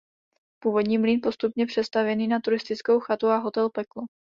Původní mlýn postupně přestavěný na turistickou chatu a hotel Peklo.